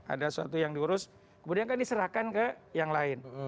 ada suatu yang diurus kemudian kan diserahkan ke yang lain